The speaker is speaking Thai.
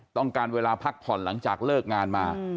ต้องการเวลาพักผ่อนหลังจากเลิกงานมา